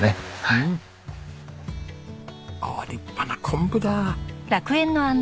ああ立派な昆布だ。